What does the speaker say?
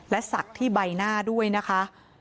และศักดิ์ที่ใบหน้าด้วยนะคะ